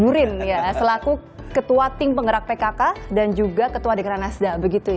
bu rini ya selaku ketua ting penggerak pkk dan juga ketua dekaran nasdaq begitu ya